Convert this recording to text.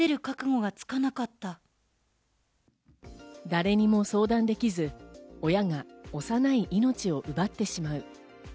誰にも相談できず、親が幼い命を奪ってしまう。